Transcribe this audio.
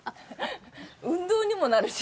運動にもなるし。